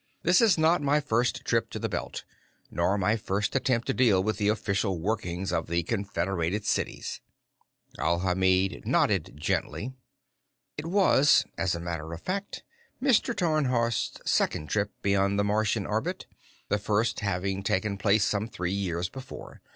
"This is not my first trip to the Belt, nor my first attempt to deal with the official workings of the Confederated Cities." Alhamid nodded gently. It was, as a matter of fact, Mr. Tarnhorst's second trip beyond the Martian orbit, the first having taken place some three years before.